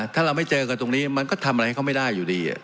ถ้าเราไม่เจอกันตรงนี้มันก็ทำอะไรเขาไม่ได้อยู่ดี